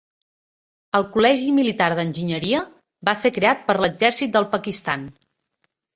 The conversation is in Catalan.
El Col·legi Militar d'Enginyeria va ser creat per l'exèrcit del Pakistan.